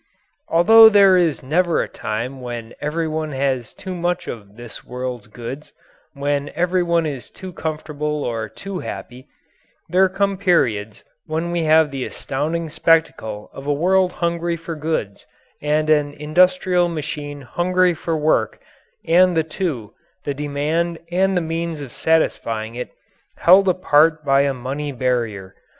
Although there is never a time when everyone has too much of this world's goods when everyone is too comfortable or too happy there come periods when we have the astounding spectacle of a world hungry for goods and an industrial machine hungry for work and the two the demand and the means of satisfying it held apart by a money barrier.